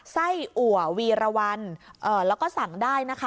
ไส้อัววีรวรรณแล้วก็สั่งได้นะคะ